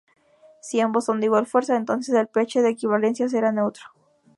Si ambos son de igual fuerza, entonces el pH de equivalencia será neutro.